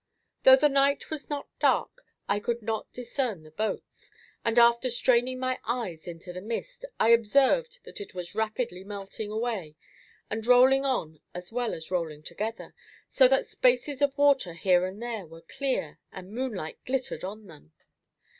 Though the night was not dark I could not discern the boats; and after straining my eyes into the mist, I observed that it was rapidly melting away, and rolling on as well as rolling together, so that spaces of water here and there were clear, and moonlight glittered on them.